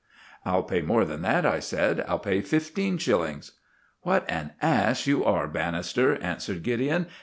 "I'll pay more than that," I said. "I'll pay fifteen shillings." "What an ass you are, Bannister!" answered Gideon.